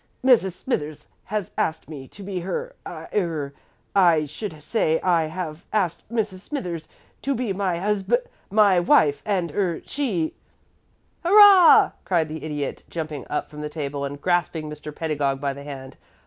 Mrs. Smithers has asked me to be her I er I should say I have asked Mrs. Smithers to be my husb my wife, and er she " "Hoorah!" cried the Idiot, jumping up from the table and grasping Mr. Pedagog by the hand.